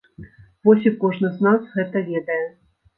Вось і кожны з нас гэта ведае.